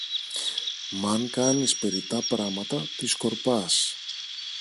Μ' αν κάνεις περιττά πράματα, τη σκορπάς.